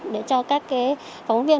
để cho các phóng viên